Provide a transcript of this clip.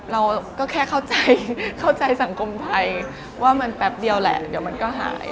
เราก็แค่เข้าใจเข้าใจสังคมไทยว่ามันแป๊บเดียวแหละเดี๋ยวมันก็หาย